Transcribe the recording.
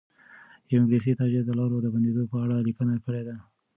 یو انګلیسي تاجر د لارو د بندېدو په اړه لیکنه کړې ده.